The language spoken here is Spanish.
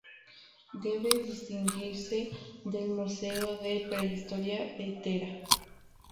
Debe distinguirse del Museo de Prehistoria de Thera.